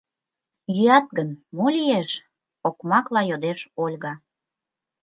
— Йӱат гын, мо лиеш? — окмакла йодеш Ольга.